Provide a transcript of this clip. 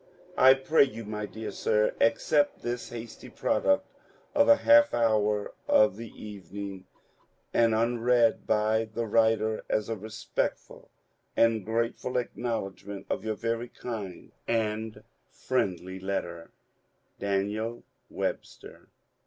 I pray you, my dear sir, accept this hasty product of a half hour of the evening, and unread by the writer, as a respectful and grateful acknowledgment of your very kind and friendly letter. Daniel Webster.